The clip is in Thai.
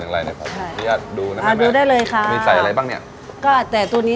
เอาเริ่มจากการยังไงก่อนดี